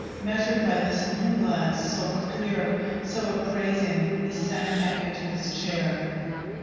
Measured by this new glance, so clear, so appraising, he sank back into his chair.